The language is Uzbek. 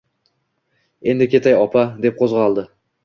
Endi ketay, opa, — deb qo'zg'aldi.